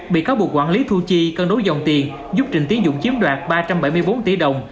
bị cáo buộc quản lý thu chi cân đối dòng tiền giúp trịnh tiến dũng chiếm đoạt ba trăm bảy mươi bốn tỷ đồng